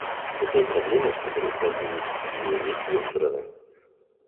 У той проблемы, с которой сталкивается Сирия, есть две стороны.